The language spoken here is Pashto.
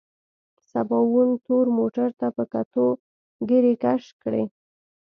سباوون تور موټر ته په کتو ږيرې کش کړ.